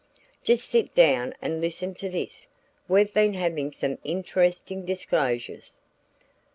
"Just sit down and listen to this. We've been having some interesting disclosures."